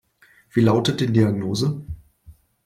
Wie lautet die Diagnose?